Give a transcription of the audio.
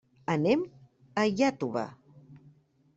Anem a Iàtova.